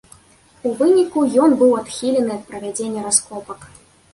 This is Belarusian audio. У выніку ён быў адхілены ад правядзення раскопак.